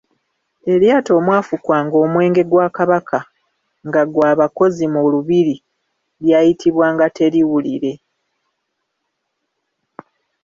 Eryato omwafukwanga omwenge gwa Kabaka nga gwa bakozi mu lubiri lyayitibwanga teriwulire.